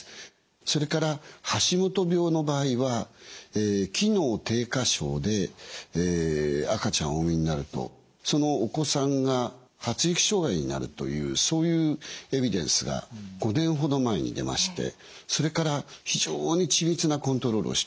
それから橋本病の場合は機能低下症で赤ちゃんをお産みになるとそのお子さんが発育障害になるというそういうエビデンスが５年ほど前に出ましてそれから非常に緻密なコントロールをしております。